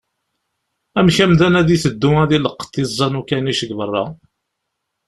Amek amdan ad iteddu ad ileqqeḍ iẓẓan n ukanic-is di beṛṛa?